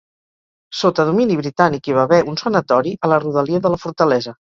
Sota domini britànic hi va haver un sanatori a la rodalia de la fortalesa.